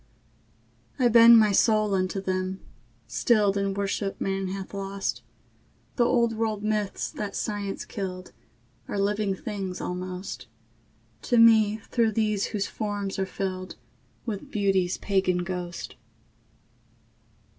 I bend my soul unto them, stilled In worship man hath lost; The old world myths that science killed Are living things almost To me through these whose forms are filled With Beauty's pagan ghost.